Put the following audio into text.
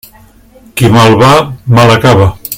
Qui mal va, mal acaba.